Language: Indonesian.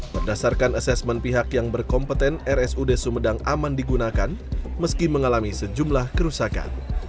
berdasarkan asesmen pihak yang berkompeten rsud sumedang aman digunakan meski mengalami sejumlah kerusakan